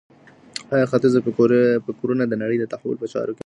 آیا ختیځه فکرونه د نړۍ د تحول په چارو کي مهمه برخه لري؟